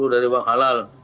lima puluh dari uang halal